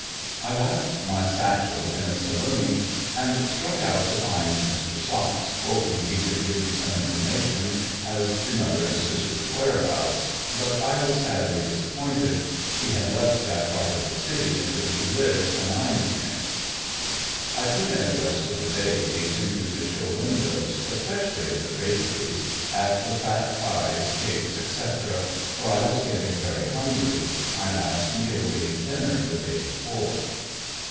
I left my satchel in a saloon and struck out to find Mr. Socks, hoping he could give me some information as to mother and sister's whereabouts, but I was sadly disappointed, he had left that part of the city in which he lived when I knew him. I put in the rest of the day gazing through the show windows, especially of the bakeries, at the fat pies, cakes, etc., for I was getting very hungry, my last meal being dinner the day before.